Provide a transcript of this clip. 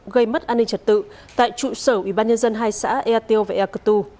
gây mất an ninh trật tự tại trụ sở ủy ban nhân dân hai xã ea tiêu và ea cơ tu